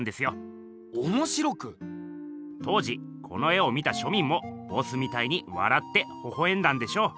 当時この絵を見た庶民もボスみたいにわらってほほえんだんでしょう。